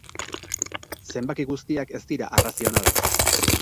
Zenbaki guztiak ez dira arrazionalak.